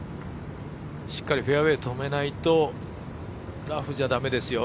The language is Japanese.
しっかりフェアウエー止めないとラフじゃだめですよ。